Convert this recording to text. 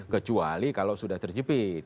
kecuali kalau sudah terjepit